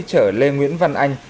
chở lê nguyễn văn anh